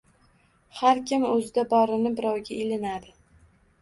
Har kim oʻzida borini birovga ilinadi